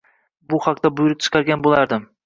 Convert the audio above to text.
Bu haqida buyruq chiqargan bo’lardim…